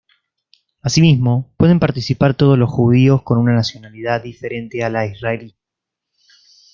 Asimismo pueden participar todos los judíos con una nacionalidad diferente a la israelí.